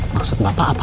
maksud bapak apaan pak